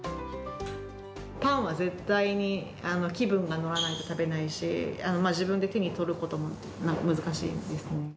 パンは絶対に気分が乗らないと食べないし、自分で手に取ることもなんか難しいんですね。